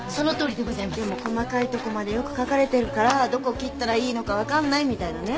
でも細かいとこまでよく書かれてるからどこ切ったらいいのか分かんないみたいなね？